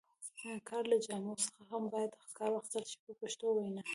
د کار له جامو څخه هم باید کار واخیستل شي په پښتو وینا.